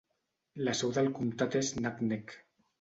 La seu de comptat és Naknek.